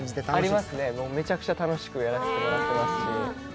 ありますね、めちゃくちゃ楽しくやらせてもらっていますし。